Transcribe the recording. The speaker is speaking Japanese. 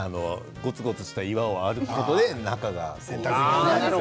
ごつごつした岩を歩くことで仲が近づく。